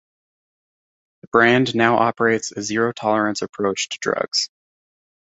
The brand now operates a zero tolerance approach to drugs.